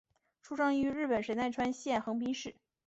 出生于日本神奈川县横滨市。